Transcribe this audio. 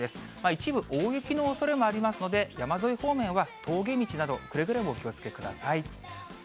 一部、大雪のおそれもありますので、山沿い方面は峠道など、くれぐれもお気をつけください。